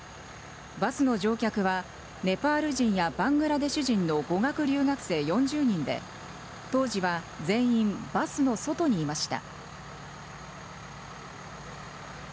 バスの乗客はネパール人やバングラデシュ人の語学留学生４０人で当時は全員バスの外にいました。